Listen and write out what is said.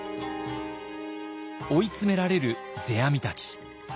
追い詰められる世阿弥たち。